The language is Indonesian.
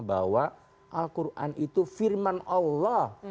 bahwa al quran itu firman allah